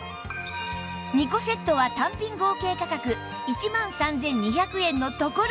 ２個セットは単品合計価格１万３２００円のところ